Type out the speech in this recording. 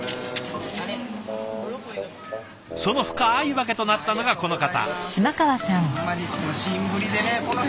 その深い訳となったのがこの方。